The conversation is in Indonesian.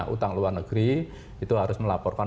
utang luar negeri itu harus melaporkan